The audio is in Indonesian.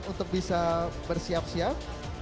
untuk bisa bersiap siap